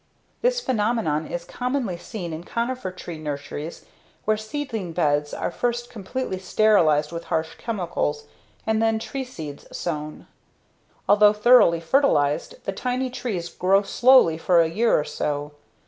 This phenomenon is commonly seen in conifer tree nurseries where seedling beds are first completely sterilized with harsh chemicals and then tree seeds sown. Although thoroughly fertilized, the tiny trees grow slowly for a year or so.